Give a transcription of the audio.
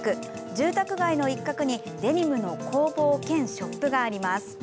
住宅街の一角に、デニムの工房兼ショップがあります。